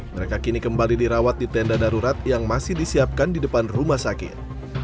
mereka kini kembali dirawat di tenda darurat yang masih disiapkan di depan rumah sakit